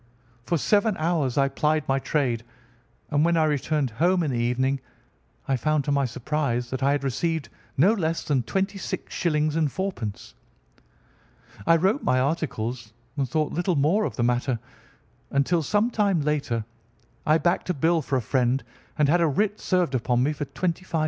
For seven hours I plied my trade, and when I returned home in the evening I found to my surprise that I had received no less than 26_s_. 4_d_. "I wrote my articles and thought little more of the matter until, some time later, I backed a bill for a friend and had a writ served upon me for £ 25.